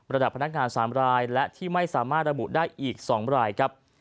พนักงาน๓รายและที่ไม่สามารถระบุได้อีก๒รายครับ